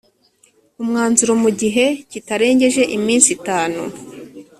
umwanzuro mu gihe kitarengeje iminsi itanu